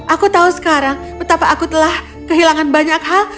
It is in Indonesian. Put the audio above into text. aku tahu sekarang betapa aku telah kehilangan banyak hal